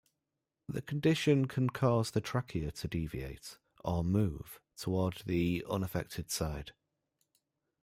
The condition can cause the trachea to deviate, or move, toward the unaffected side.